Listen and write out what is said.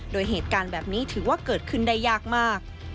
โดยเหตุการณ์แบบนี้ถือว่าเกิดขึ้นได้ยากมาก